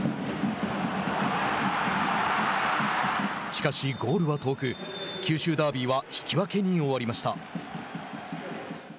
しかし、ゴールは遠く九州ダービーは引き分けに終わりました。